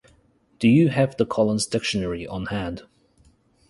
Do you have the Collins Dictionary on hand?